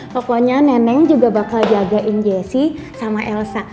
pokoknya nenek juga bakal jagain jessi sama elsa